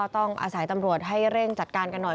ต้องอาศัยตำรวจให้เร่งจัดการกันหน่อย